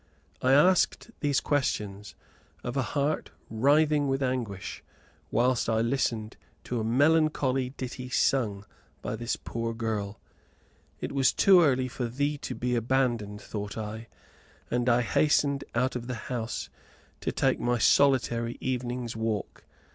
I asked these questions of a heart writhing with anguish, whilst I listened to a melancholy ditty sung by this poor girl. It was too early for thee to be abandoned, thought I, and I hastened out of the house to take my solitary evening's walk.